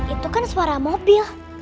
itu kan suara mobil